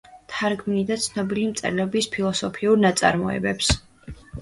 თარგმნიდა ცნობილი მწერლების ფილოსოფიურ ნაწარმოებებს.